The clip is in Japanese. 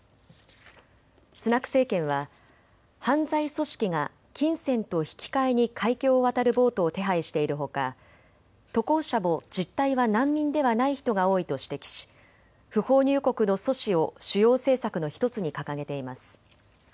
スナク政権は犯罪組織が金銭と引き換えに海峡を渡るボートを手配しているほか渡航者も実態は難民ではない人が多いと指摘し不法入国の阻止を主要政策の１つに掲げています。